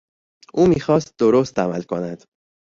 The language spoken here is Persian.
او میخواست درست عمل کند.